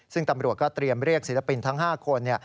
ซึ่งตำรวจก็เตรียมเรียกศิลปินทั้ง๕คน